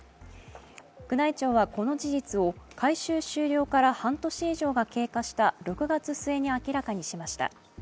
宮内庁はこの事実を改修終了から半年以上が経過した６月末に明らかにしました。